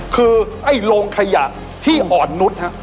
คือไอ้ลงไข่หยะที่อ่อนนุดครับ